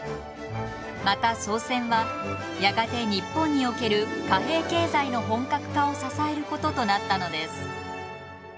また宋銭はやがて日本における貨幣経済の本格化を支えることとなったのです。